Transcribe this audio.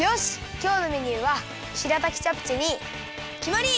きょうのメニューはしらたきチャプチェにきまり！